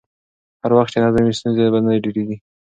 هر وخت چې نظم وي، ستونزې به نه ډېرېږي.